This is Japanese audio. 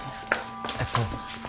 えっと